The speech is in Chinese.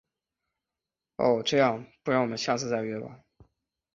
哦……这样，不然我们下次再约吧。